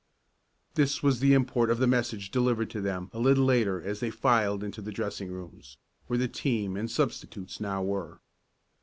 This was the import of the message delivered to them a little later as they filed into the dressing rooms, where the team and substitutes now were.